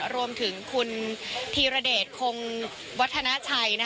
รวมถึงคุณธีรเดชคงวัฒนาชัย